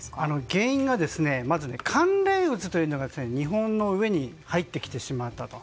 原因は寒冷渦というのが日本の上に入ってきてしまったと。